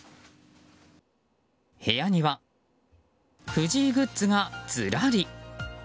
部屋には藤井グッズがずらり。